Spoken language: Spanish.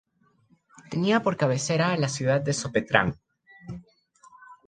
Tenía por cabecera a la ciudad de Sopetrán.